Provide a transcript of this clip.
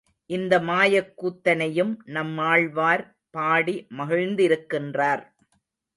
இந்த மாயக்கூத்தனையும் நம்மாழ்வார் பாடி மகிழ்ந்திருக்கின்றார்.